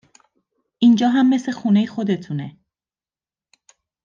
اینجا هم مثل خونهی خودتونه